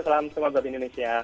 salam semua buat indonesia